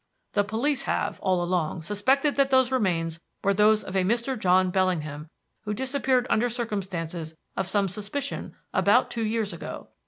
The police have, all along, suspected that those remains were those of a Mr. John Bellingham who disappeared under circumstances of some suspicion about two years ago.